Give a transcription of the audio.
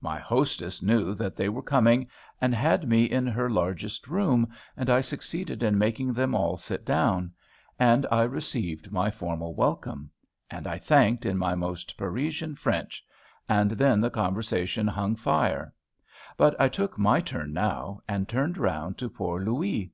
My hostess knew that they were coming, and had me in her largest room, and I succeeded in making them all sit down; and I received my formal welcome; and I thanked in my most Parisian French; and then the conversation hung fire. But I took my turn now, and turned round to poor Louis.